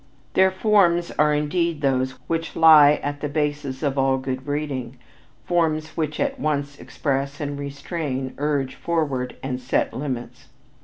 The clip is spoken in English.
Their forms are indeed those which lie at the basis of all good breeding, forms which at once express and restrain, urge forward and set limits.